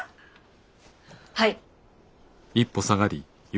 はい。